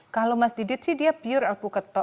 kalau mas didit sih dia pure alpukat tok